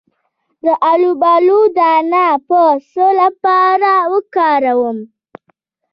د الوبالو دانه د څه لپاره وکاروم؟